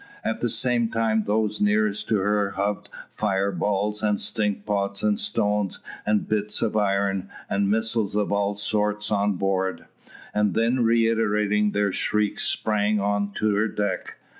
At the same time those nearest to her hove fire balls, and stink pots, and stones, and bits of iron, and missiles of all sorts on board, and then reiterating their shrieks, sprang on to her deck.